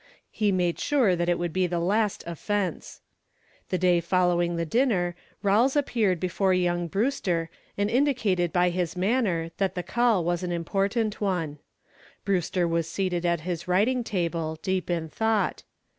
He made sure that it should be the last offense. The day following the dinner Rawles appeared before young Mr. Brewster and indicated by his manner that the call was an important one. Brewster was seated at his writing table, deep in thought.